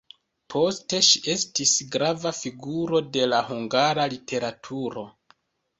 Poste ŝi estis grava figuro de la hungara literaturo.